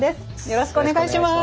よろしくお願いします。